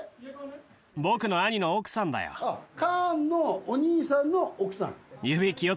カーンのお兄さんの奥さん。